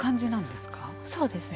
そうですね。